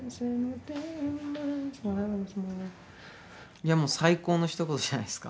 いやもう最高のひと言じゃないですか。